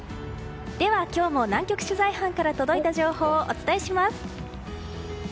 では、今日も南極取材班から届いた情報をお届けします。